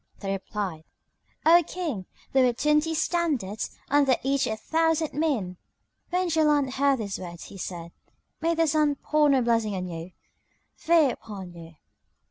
They replied, "O King, there were twenty standards, under each a thousand men." When Jaland heard these words he said, "May the sun pour no blessing on you! Fie upon you!